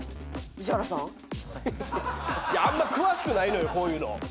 あんま詳しくないのよこういうの。